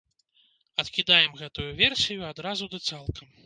Адкідаем гэтую версію адразу ды цалкам.